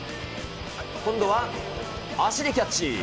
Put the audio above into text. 今度は足でキャッチ。